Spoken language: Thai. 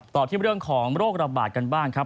ต่อที่เรื่องของโรคระบาดกันบ้างครับ